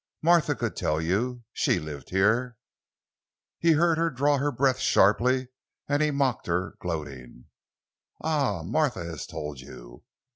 Martha could tell you—she lived here——" He heard her draw her breath sharply and he mocked her, gloating: "Ah, Martha has told you!